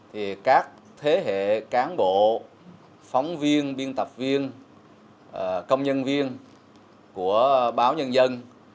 thì các thế hệ cán bộ phóng viên biên tập viên công nhân viên của báo nhân dân